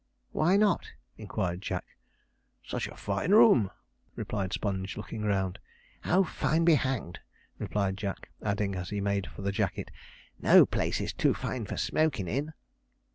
'Why not?' inquired Jack. 'Such a fine room,' replied Sponge, looking around. 'Oh, fine be hanged!' replied Jack, adding, as he made for the jacket, 'no place too fine for smokin' in.'